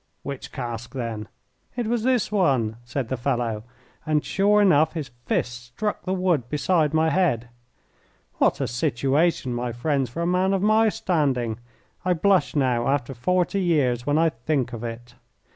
"Which cask, then?" "It was this one," said the fellow, and sure enough his fist struck the wood beside my head. What a situation, my friends, for a man of my standing! I blush now, after forty years, when I think of it.